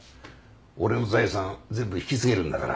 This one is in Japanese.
俺の財産全部引き継げるんだから。